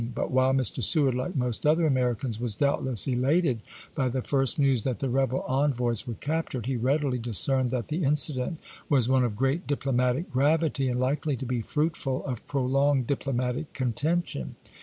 ^ug^mo. But while Mr. Seward, like most other Americans, was doubtless elated by the first news that the rebel envoys were captured, he readily discerned that the incident was one of great diplomatic gravity and likely to be fruitful of prolonged dip lomatic contention.